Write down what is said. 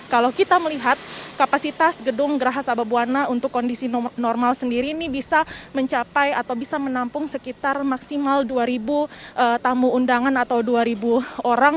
kalau kita melihat kapasitas gedung geraha sababwana untuk kondisi normal sendiri ini bisa mencapai atau bisa menampung sekitar maksimal dua tamu undangan atau dua orang